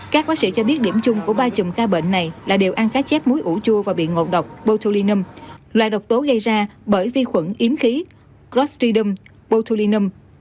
các bác sĩ cho biết điểm chung của ba chùm ca bệnh này là điều ăn cá chép muối ủ chua và bị ngộ độc botulinum loại độc tố gây ra bởi vi khuẩn yếm khí clostridium botulinum